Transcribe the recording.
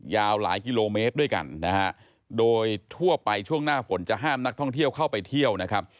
ยาวหลายกิโลเมตรด้วยกันนะฮะโดยทั่วไปช่วงหน้าฝนจะห้ามนักท่องเที่ยวเข้าไปเที่ยวนะครับ